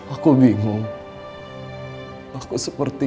aku masih saja beli buku ini